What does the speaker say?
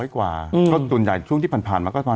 ๒๐๐กว่าเพราะส่วนใหญ่ช่วงที่ผ่านมาก็๒๐๐๒๐๐กว่า